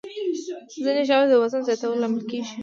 ځینې ژاولې د وزن زیاتوالي لامل کېږي.